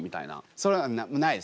それはないです。